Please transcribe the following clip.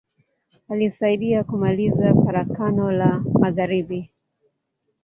Alisaidia kumaliza Farakano la magharibi.